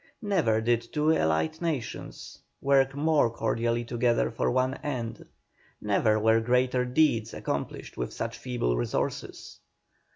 Never did two allied nations work more cordially together for one end, never were greater deeds accomplished with such feeble resources.